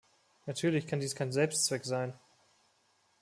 Natürlich kann dies kein Selbstzweck sein.